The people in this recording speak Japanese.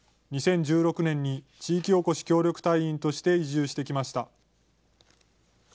２０１６年に地域おこし協力隊員として移住してきました。